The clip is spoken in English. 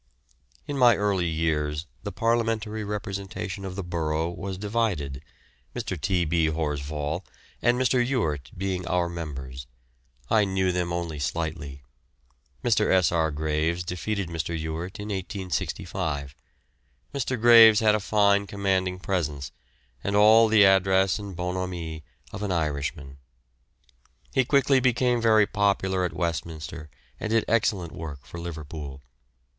In my early years the parliamentary representation of the borough was divided, Mr. T. B. Horsfall and Mr. Ewart being our members. I knew them only slightly. Mr. S. R. Graves defeated Mr. Ewart in 1865. Mr. Graves had a fine commanding presence and all the address and bonhomie of an Irishman. He quickly became very popular at Westminster and did excellent work for Liverpool.